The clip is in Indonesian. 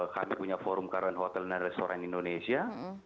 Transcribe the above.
kami punya forum karya hotel dan restoran indonesia